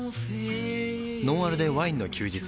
「ノンアルでワインの休日」